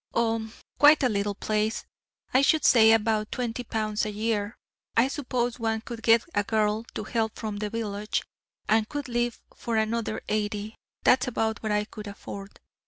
"Oh, quite a little place, I should say about twenty pounds a year. I suppose one could get a girl to help from the village, and could live for another eighty. That's about what I could afford."